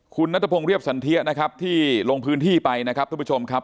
คุณนัตตะพงเรียบสันเทียที่ลงพื้นที่ไปนะครับทุกผู้ชมครับ